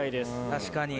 確かに。